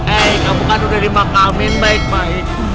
eh kamu kan udah dipakamin baik baik